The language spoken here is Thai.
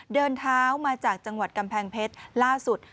เดินเท้ามาจากจังหวัดกำแพงเพชรล่าสุด